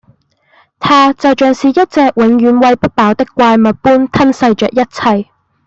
它就像是一隻永遠餵不飽的怪物般吞噬著一切